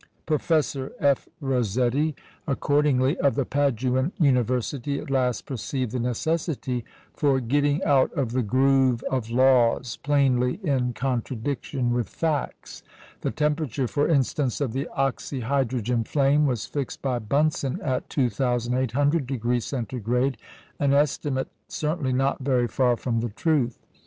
Professor F. Rosetti, accordingly, of the Paduan University, at last perceived the necessity for getting out of the groove of "laws" plainly in contradiction with facts. The temperature, for instance, of the oxy hydrogen flame was fixed by Bunsen at 2,800° C. an estimate certainly not very far from the truth.